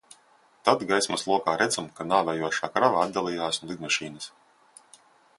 Tad gaismas lokā redzam, ka nāvējošā krava atdalījās no lidmašīnas.